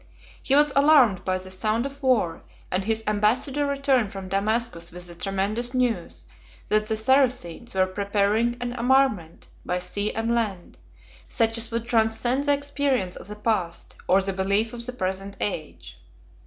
He was alarmed by the sound of war; and his ambassador returned from Damascus with the tremendous news, that the Saracens were preparing an armament by sea and land, such as would transcend the experience of the past, or the belief of the present age.